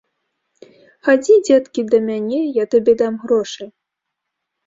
Хадзі, дзеткі, да мяне, я табе дам грошы.